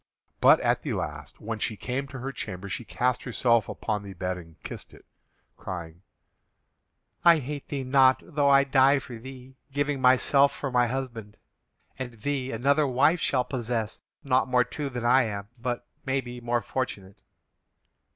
But at the last, when she came to her chamber, she cast herself upon the bed and kissed it, crying: "I hate thee not, though I die for thee, giving myself for my husband. And thee another wife shall possess, not more true than I am, but, maybe, more fortunate!"